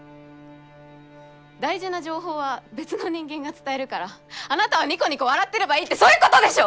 大事な情報は別の人間が伝えるからあなたはニコニコ笑ってればいいってそういうことでしょ！？